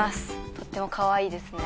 とってもかわいいですね